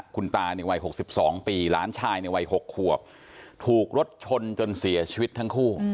คุณตาวัย๖๒ปีหลานชาย๖ครัวถูกรถชนจนเสียชีวิตทั้งคู่